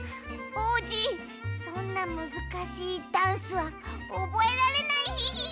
おうじそんなむずかしいダンスはおぼえられないヒヒーン！」。